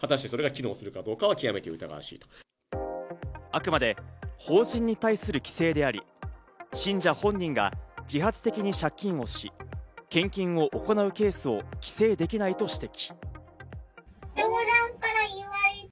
あくまで法人に対する規制であり、信者本人が自発的に借金をし、献金を行うケースを規制できないと指摘。